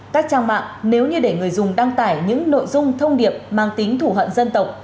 các trang mạng nếu như để người dùng đăng tải những nội dung thông điệp mang tính thủ hận dân tộc